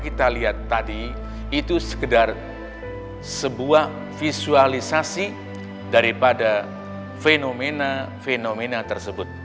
kita lihat tadi itu sekedar sebuah visualisasi daripada fenomena fenomena tersebut